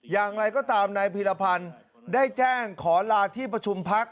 อย่างไรก็ตามนายพีรพันธ์ได้แจ้งขอลาที่ประชุมพัก